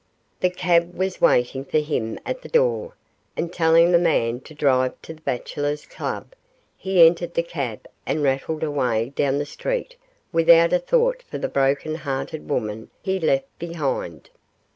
The cab was waiting for him at the door, and telling the man to drive to the Bachelors' Club, he entered the cab and rattled away down the street without a thought for the broken hearted woman he left behind.